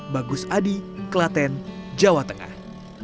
bagus adi klaten jawa tengah